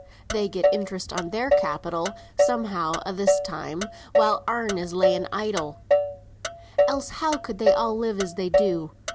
They get interest on their capital somehow a' this time, while ourn is lying idle, else how could they all live as they do?